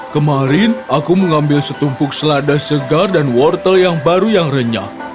kemarin aku mengambil setumpuk selada segar dan wortel yang baru yang renyah